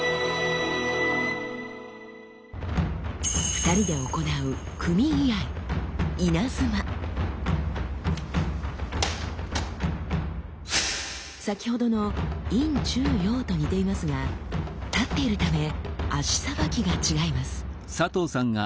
２人で行う組居合先ほどの「陰中陽」と似ていますが立っているため足さばきが違います。